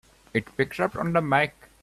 It picks up on the mike!